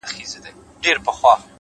هره تېروتنه د اصلاح فرصت زېږوي،